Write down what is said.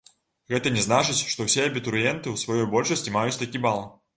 Гэта не значыць, што ўсе абітурыенты ў сваёй большасці маюць такі бал.